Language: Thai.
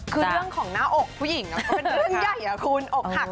คือเรื่องของหน้าอกผู้หญิงคือเรื่องใหญ่